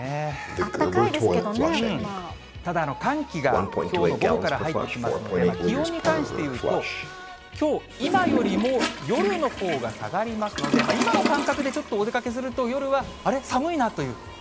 あったかいですけどね、ただ、寒気がきょうの午後から入ってきますので、気温に関していうと、きょう、今よりも夜のほうが下がりますので、今の感覚でちょっとお出かけすると、夜はあれ？